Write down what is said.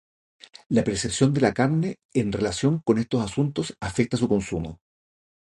La percepción de la carne en relación con estos asuntos afecta su consumo.